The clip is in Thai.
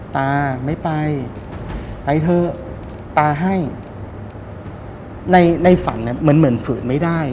ตาไม่ไปไปเถอะตาให้ในในฝันเนี่ยเหมือนเหมือนฝืนไม่ได้